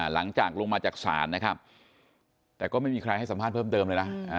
หลังจากลงมาจากศาลนะครับแต่ก็ไม่มีใครให้สัมภาษณ์เพิ่มเติมเลยนะ